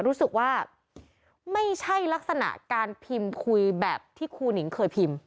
รู้สึกว่าไม่ใช่ลักษณะการพิมพ์คุยแบบที่ครูหนิงเคยพิมพ์